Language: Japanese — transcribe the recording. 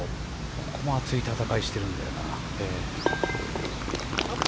ここも熱い戦いをしているんだよな。